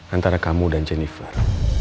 antara kamu dan jennifer